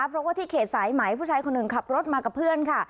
เพราะว่าที่เขตสายไหมผู้ชายคนหนึ่งขับรถมากับเพื่อนค่ะ